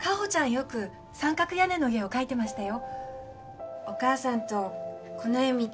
よく三角屋根の家を描いてましたよ